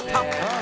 あ！